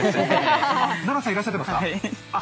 奈々さんいらしてますか？